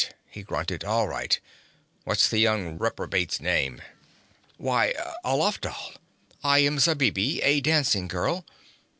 he grunted. 'All right! What's the young reprobate's name?' 'Why Alafdhal. I am Zabibi, a dancing girl.